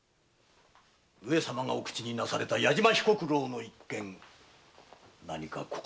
上様がお口になされた矢島彦九郎の一件何か心あたりでも？